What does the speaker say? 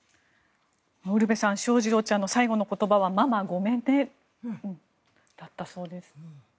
ウルヴェさん翔士郎ちゃんの最後の言葉はママ、ごめんねだったそうです。